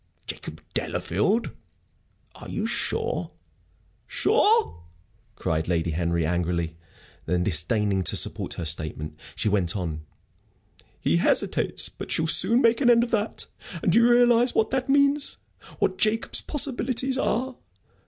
"Jacob Delafield? Are you sure?" "Sure?" cried Lady Henry, angrily. Then, disdaining to support her statement, she went on: "He hesitates. But she'll soon make an end of that. And do you realize what that means what Jacob's possibilities are?